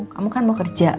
kamu kan mau kerja